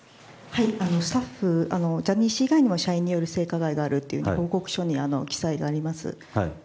ジャニー氏以外の社員による性加害があったと報告書に記載があります。